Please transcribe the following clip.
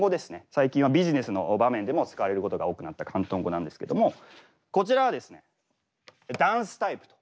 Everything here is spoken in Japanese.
最近はビジネスの場面でも使われることが多くなった広東語なんですけどもこちらはですね「ダンスタイプ」と。